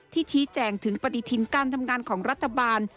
ชี้แจงถึงปฏิทินการทำงานของรัฐบาล